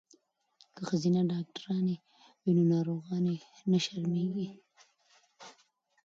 که ښځینه ډاکټرانې وي نو ناروغانې نه شرمیږي.